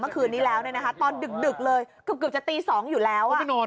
เมื่อคืนนี้แล้วเนี่ยนะคะตอนดึกเลยเกือบจะตี๒อยู่แล้ว